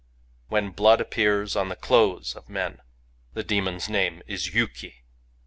" When blood appears on the clothes of men, the demon* s name is Yuki.